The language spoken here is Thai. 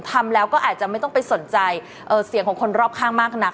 ทำแล้วก็อาจจะไม่ต้องไปสนใจเสียงของคนรอบข้างมากนัก